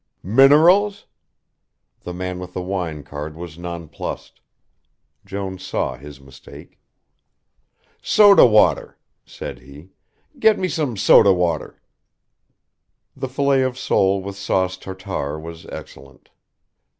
"Minerals!" The man with the wine card was nonplussed. Jones saw his mistake. "Soda water," said he. "Get me some soda water." The fillet of sole with sauce Tartare was excellent.